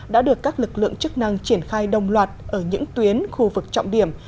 đã được các lực lượng chức năng triển khai đồng loạt ở những tuyến khu vực trọng điểm